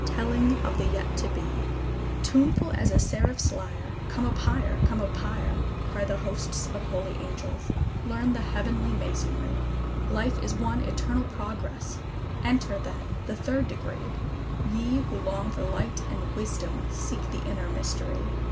telling of the yet to be. Tuneful as a seraph's lyre, "Come up higher! Come up higher!" Cry the hosts of holy angels; "learn the heavenly Masonry: Life is one eternal progress: enter, then, the Third Degree; Ye who long for light and wisdom seek the Inner Mystery!